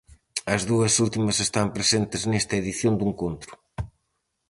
As dúas últimas están presentes nesta edición do encontro.